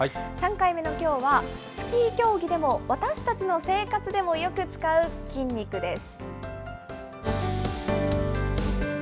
３回目のきょうは、スキー競技でも私たちの生活でもよく使う筋肉です。